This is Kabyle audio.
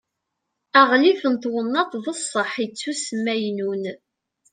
aɣlif n twennaḍt d ṣṣehd ittusmaynun